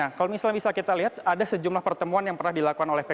nah kalau misalnya bisa kita lihat ada sejumlah pertemuan yang pernah dilakukan oleh pks